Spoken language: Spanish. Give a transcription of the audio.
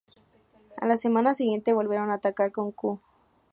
A la semana siguiente, volvieron a "atacar" con "Q".